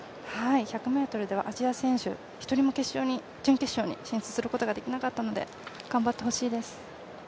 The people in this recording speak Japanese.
１００ｍではアジア選手、１人も準決勝に進出できなかったので、頑張ってほしいです。